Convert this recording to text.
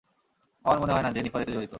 আমার মনে হয় না, জেনিফার এতে জড়িত।